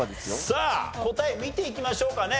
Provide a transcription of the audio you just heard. さあ答え見ていきましょうかね。